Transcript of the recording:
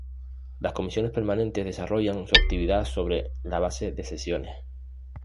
Las comisiones permanentes desarrollan su actividad sobre la base de sesiones.